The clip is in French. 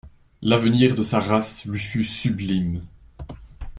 L'avenir de sa race lui fut sublime.